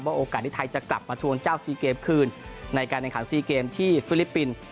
โอกาสที่ไทยจะกลับมาทวงเจ้าซีเกมคืนในการแข่งขัน๔เกมที่ฟิลิปปินส์